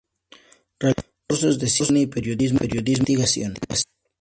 Realizó cursos de Cine y Periodismo de Investigación.